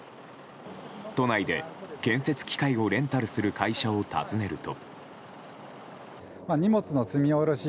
都内で建設機械をレンタルする会社を訪ねると。